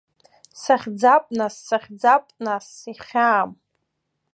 Сахьӡап, нас, сахьӡап, нас, ихьаам.